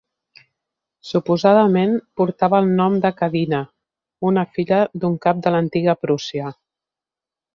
Suposadament portava el nom de Cadina, una filla d'un cap de l'antiga Prússia.